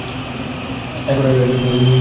এখন আর ফোন বাজবে না।